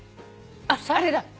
あっあれだ。